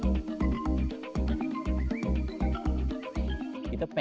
kita bisa menghidupkan kekah